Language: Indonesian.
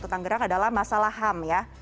lepas satu adalah masalah ham ya